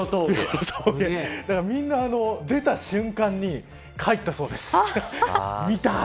みんな出た瞬間に帰ったそうです。